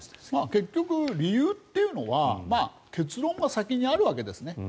結局、理由というのは結論が先にあるわけですね。